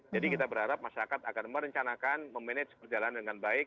kita berharap masyarakat akan merencanakan memanage berjalan dengan baik